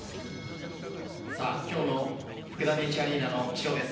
今日のフクダ電子アリーナの気象です。